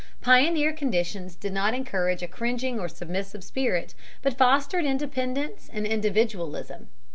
Pioneer conditions did not encourage a cringing or submissive spirit, but fostered independence and individualism.